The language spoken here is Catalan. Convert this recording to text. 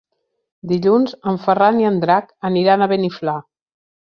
Dilluns en Ferran i en Drac aniran a Beniflà.